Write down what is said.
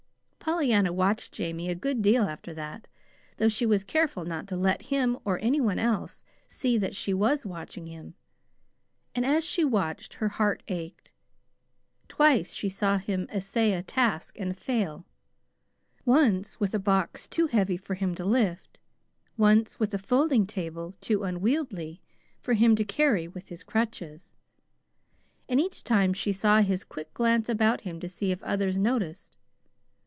Pollyanna watched Jamie a good deal after that, though she was careful not to let him, or any one else, see that she was watching him. And as she watched, her heart ached. Twice she saw him essay a task and fail: once with a box too heavy for him to lift; once with a folding table too unwieldy for him to carry with his crutches. And each time she saw his quick glance about him to see if others noticed.